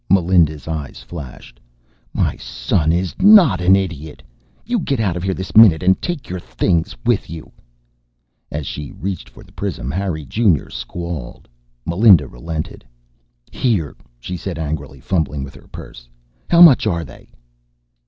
Melinda's eyes flashed. "My son is not an idiot! You get out of here this minute and take your things with you." As she reached for the prism, Harry Junior squalled. Melinda relented. "Here," she said angrily, fumbling with her purse. "How much are they?"